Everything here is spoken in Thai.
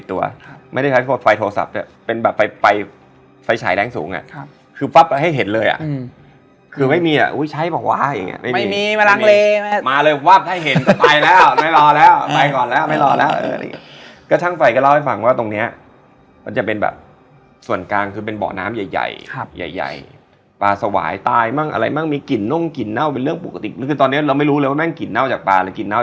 ตื่นตื่นตื่นเดี๋ยวนี้ไม่ไหวแล้วคือกลัวแบบกลัวไม่ไหวแล้ว